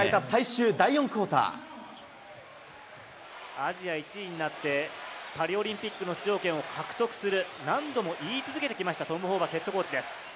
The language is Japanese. アジア１位になって、パリオリンピックの出場権を獲得する、何度も言い続けてきました、トム・ホーバスヘッドコーチです。